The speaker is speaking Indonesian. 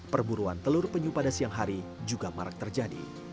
perburuan telur penyu pada siang hari juga marak terjadi